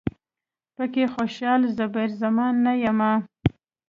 پکې خوشال، زبیر زمان نه یمه